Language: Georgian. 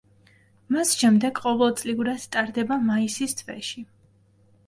მას შემდეგ ყოველწლიურად ტარდება მაისის თვეში.